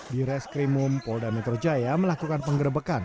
di reskrimum polda metro jaya melakukan penggerbekan